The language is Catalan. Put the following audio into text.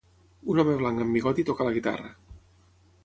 Un home blanc amb bigoti toca la guitarra.